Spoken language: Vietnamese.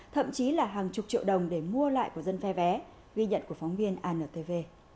thậm chí là hàng chục triệu đồng để mua lại của dân phe vé ghi nhận của phóng viên antv